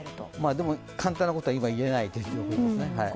でも、簡単なことは今、言えない。